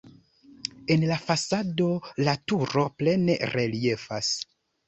En la fasado la turo plene reliefas.